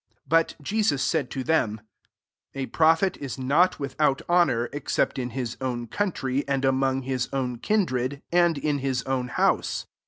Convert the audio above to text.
4 But Jesus said to them, " A prophet is not without hon our, except in his own country, and among his own kindred, and in his own house."